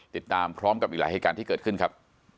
ติดตามพร้อมกับอีกหลายเหตุการณ์ที่เกิดขึ้นครับ